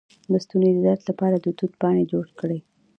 د ستوني د درد لپاره د توت پاڼې جوش کړئ